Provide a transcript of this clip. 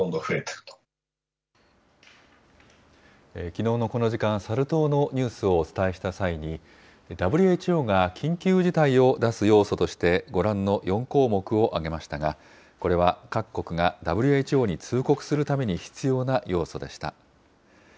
きのうのこの時間、サル痘のニュースをお伝えした際に、ＷＨＯが緊急事態を出す要素として、ご覧の４項目を挙げましたが、これは各国がＷＨＯに通告するために必要な要素でした。